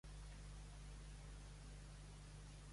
Aquest romandria la llar de Guillem al llarg de la seva vida.